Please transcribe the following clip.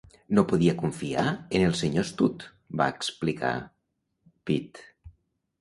"No podia confiar en el senyor Studd", va explicar Peate.